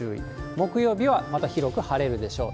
木曜日はまた広く晴れるでしょう。